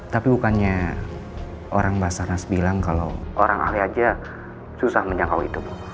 tapi bukannya orang basarnas bilang kalau orang ahli aja susah menjangkau itu bu